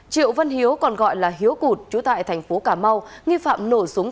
triệu vân hiếu còn gọi là hiếu cụt trú tại thành phố cà mau nghi phạm nổ súng